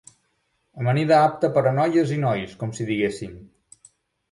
Amanida apta per a noies i nois, com si diguéssim.